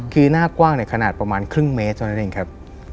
คือหน้ากว้างขนาดประมาณครึ่งเมตรเท่านั้นเองครับ